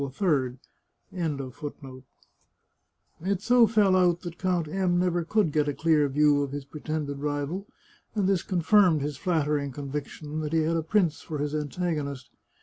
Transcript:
236 The Chartreuse of Parma It so fell out that Count M never could get a clear view of his pretended rival, and this confirmed his flatter ing conviction that he had a prince for his antagonist.